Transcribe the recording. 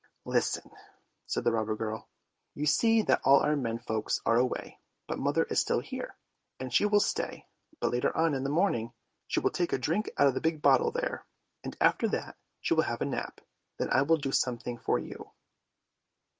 " Listen," said the robber girl. " You see that all our men folks are away, but mother is still here, and she will stay; but later on in the morning she will take a drink out of the big bottle there, and after that she will have a nap — then I will do some thing for you."